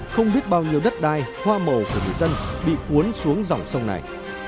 không biết bao nhiêu đất đai hoa màu của người dân bị cuốn xuống dòng sông này